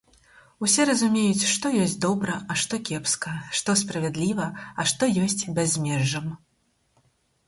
Усе разумеюць, што ёсць добра, а што кепска, што справядліва, а што ёсць бязмежжам.